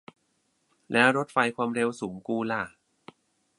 แล้วรถไฟความเร็วสูงกูล่ะ